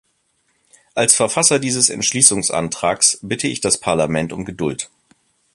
Als Verfasser dieses Entschließungsantrags bitte ich das Parlament um Geduld.